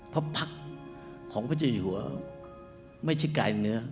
พระพักษ์ของพระเจ้าอยู่ไม่ใช่กายเนื้อ